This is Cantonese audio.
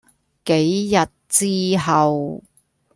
幾日之後